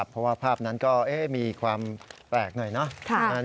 เพราะว่าภาพนั้นก็มีความแปลกหน่อยนะ